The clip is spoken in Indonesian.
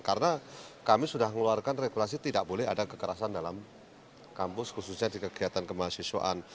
karena kami sudah mengeluarkan regulasi tidak boleh ada kekerasan dalam kampus khususnya di kegiatan kemahasiswaan